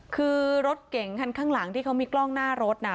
คือรถเก่งคันข้างหลังที่เขามีกล้องหน้ารถนะ